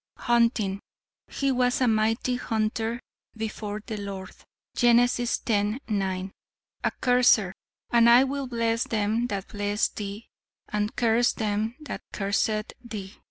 "Hunting 'He was a mighty hunter before the Lord.' Gen. x, 9. "A curser. 'And I will bless them that bless thee, and curse them that curseth thee.'